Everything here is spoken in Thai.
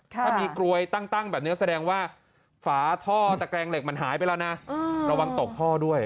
ถ้ามีกลวยตั้งแบบนี้แสดงว่าฝาท่อตะแกรงเหล็กมันหายไปแล้วนะระวังตกท่อด้วย